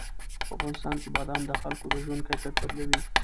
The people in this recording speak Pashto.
په افغانستان کې بادام د خلکو د ژوند کیفیت بدلوي.